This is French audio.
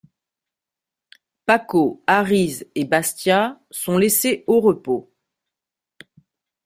Paco, Harize et Bastiat sont laissés au repos.